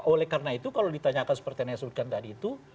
oleh karena itu kalau ditanyakan seperti yang saya sebutkan tadi itu